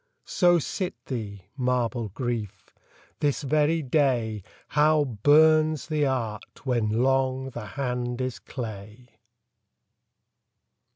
So sit thee, marble Grief ! this very day How burns the art when long the hand is clay